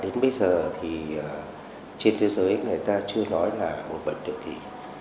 đến bây giờ thì trên thế giới người ta chưa nói là một bệnh được kỳ